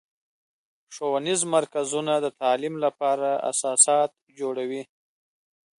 ښوونیز مرکزونه د تعلیم لپاره اساسات جوړوي.